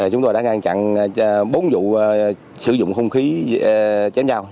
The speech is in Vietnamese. chúng tôi đã ngăn chặn bốn vụ sử dụng hung khí chém nhau